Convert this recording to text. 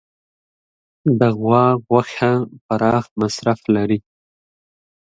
د غوا غوښه پراخ مصرف لري.